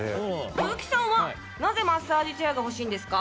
鈴木さんはなぜマッサージチェアが欲しいんですか？